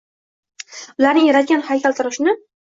Ularni yaratgan haykaltaroshni